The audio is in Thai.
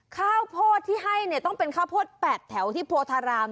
ข้าวโพดที่ให้เนี่ยต้องเป็นข้าวโพด๘แถวที่โพธาราม